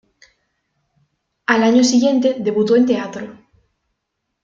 Al año siguiente debutó en teatro.